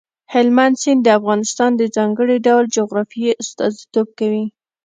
هلمند سیند د افغانستان د ځانګړي ډول جغرافیې استازیتوب کوي.